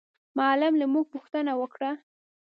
معلم له موږ پوښتنه وکړه.